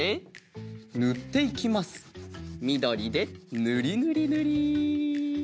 みどりでぬりぬりぬり。